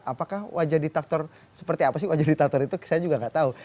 apakah wajah diktator seperti apa sih wajah diktator itu saya juga gak tau